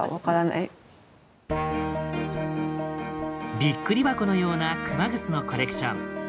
びっくり箱のような熊楠のコレクション。